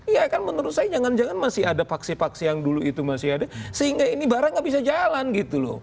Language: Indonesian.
iya kan menurut saya jangan jangan masih ada paksi paksi yang dulu itu masih ada sehingga ini barang nggak bisa jalan gitu loh